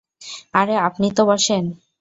আরে, আপনি তো বসেন।